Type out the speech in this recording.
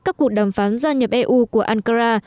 các cuộc đàm phán gia nhập eu của ankara